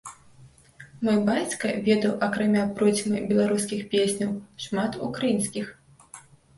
Мой бацька ведаў акрамя процьмы беларускіх песняў шмат украінскіх.